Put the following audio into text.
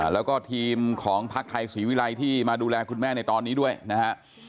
แล้วก็ทีมของพักไทยศรีวิรัยที่มาดูแลคุณแม่ในตอนนี้ด้วยนะฮะ